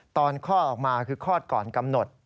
คลอดออกมาคือคลอดก่อนกำหนด